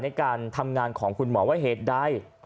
ในการทำงานของคุณหมอว่าเหตุใด